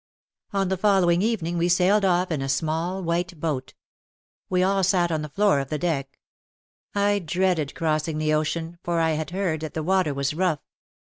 On the following evening we sailed off in a small white boat. We all sat on the floor of the deck. I dreaded crossing the ocean for I had heard that the water was rough.